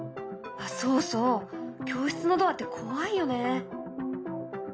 そうそう教室のドアって怖いよね。